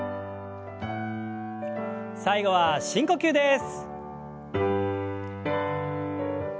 最後は深呼吸です。